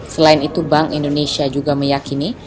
selain itu bank indonesia juga meyakini